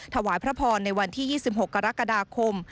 ถวายพระพรในวันที่๒๖กรกฎาคม